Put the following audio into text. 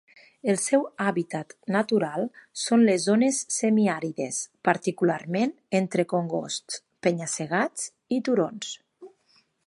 El seu hàbitat natural són les zones semiàrides, particularment entre congosts, penya-segats i turons.